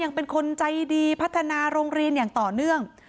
เป็นคนใจดีพัฒนาโรงเรียนอย่างต่อเนื่อง